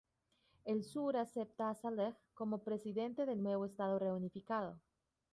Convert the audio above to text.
El Sur aceptó a Saleh como presidente del nuevo estado reunificado.